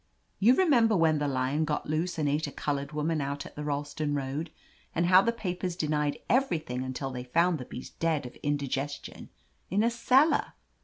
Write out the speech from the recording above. You remember when the lion got loose and ate a colored woman out the Ralston road, and how the papers denied everything until they found the beast dead of indigestion in a cellar?